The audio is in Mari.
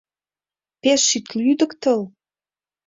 Пеш ит лӱдыктыл!